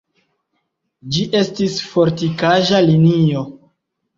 Ĝi estis fortikaĵa linio.